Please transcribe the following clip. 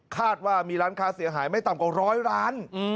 คาดว่ามีร้านค้าเสียหายไม่ต่ำกว่าร้อยร้าน